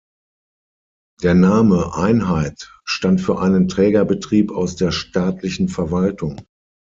Der Name „Einheit“ stand für einen Trägerbetrieb aus der staatlichen Verwaltung.